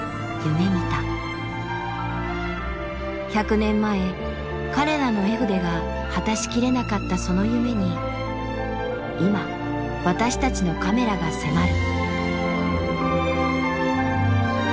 １００年前彼らの絵筆が果たし切れなかったその夢に今私たちのカメラが迫る。